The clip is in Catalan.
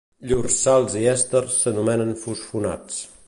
Llurs sals i èsters s'anomenen fosfonats.